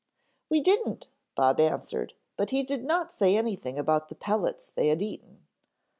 "We didn't," Bob answered, but he did not say anything about the pellets they had eaten.